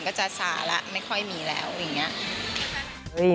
ก็จะสาละไม่ค่อยมีแล้วอย่างนี้